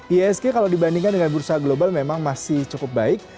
isg kalau dibandingkan dengan bursa global memang masih cukup baik